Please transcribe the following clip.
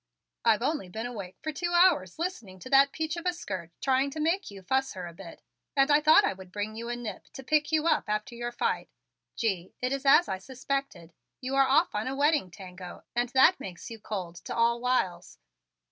"I've only been awake for two hours listening to that peach of a skirt trying to make you fuss her a bit, and I thought I would bring you a nip to pick you up after your fight. Gee, it is as I suspected. You are off on a wedding tango and that makes you cold to all wiles!